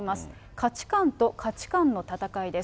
価値観と価値観の戦いです。